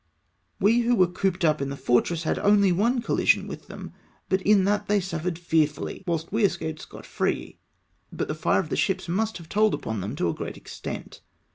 We who were cooped up in the fortress had only one colhsion mtli them, but in that they suffered fearfully, wdiilst w^e escaped scot free. But the fire of the ships must have told upon them to a great extent.